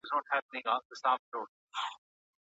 ولور نه ادا کول لويه ګناه ده.